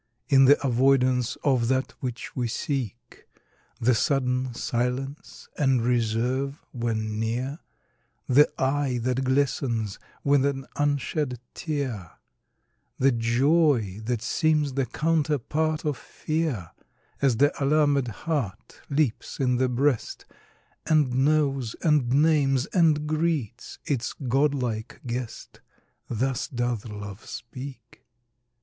In the avoidance of that which we seek The sudden silence and reserve when near The eye that glistens with an unshed tear The joy that seems the counterpart of fear, As the alarmed heart leaps in the breast, And knows and names and greets its godlike guest Thus doth Love speak.